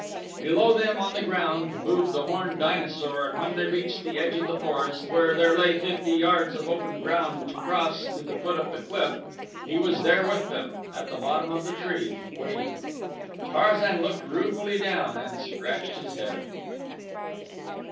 Below them, on the ground, moved the horned dinosaur and when they reached the edge of the forest where there lay fifty yards of open ground to cross to the foot of the cliff he was there with them, at the bottom of the tree, waiting. Tarzan looked ruefully down and scratched his head.